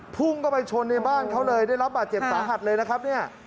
พุ่งเข้าไปชนในบ้านเขาเลยได้รับบาดเจ็บสาหัสเลยนะครับเนี่ย